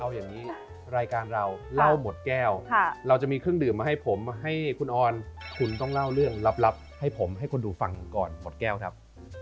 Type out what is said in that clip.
เอาอย่างนี้รายการเราเล่าหมดแก้วเราจะมีเครื่องดื่มมาให้ผมให้คุณออนคุณต้องเล่าเรื่องลับให้ผมให้คนดูฟังก่อนหมดแก้วครับ